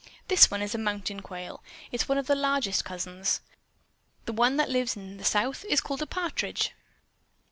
This one is a mountain quail; it is one of the largest cousins. The one that lives in the South is called a partridge."